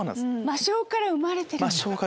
魔性から生まれてます。